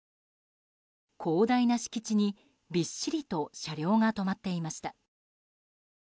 広大な敷地にびっしりと車両が止まっていました。